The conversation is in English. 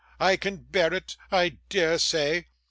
I can bear it, I dare say.